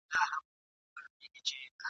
ما هیڅکله تاته زړه نه وو درکړی !.